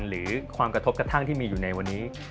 หรือความกระทบกระทั่งที่มีอยู่ในวันนี้